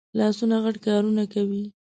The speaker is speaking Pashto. لاسونه غټ کارونه کوي